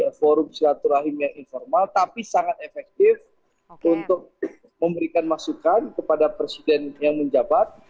shoutul rahim informal tapi sangat efektif untuk memberikan masukan kepada presiden yang menjabat